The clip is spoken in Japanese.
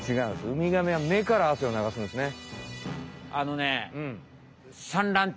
ウミガメは目から汗を流すんですね。